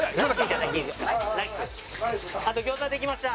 あと餃子出来ました